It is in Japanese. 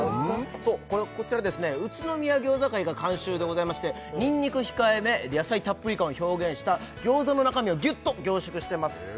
こちら宇都宮餃子会が監修でございましてにんにく控えめ野菜たっぷり感を表現した餃子の中身をギュッと凝縮してます